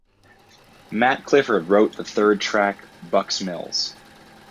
Matt Clifford wrote the third track, "Buck's Mills".